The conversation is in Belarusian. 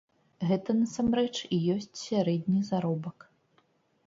Гэта, насамрэч, і ёсць сярэдні заробак.